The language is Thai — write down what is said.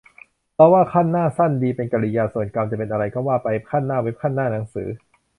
เราว่า "คั่นหน้า" สั้นดี เป็นกริยา ส่วนกรรมจะเป็นอะไรก็ว่าไป คั่นหน้าเว็บ คั่นหน้าหนังสือ